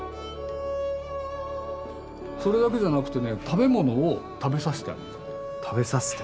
それだけじゃなくてね食べ物を食べさせて？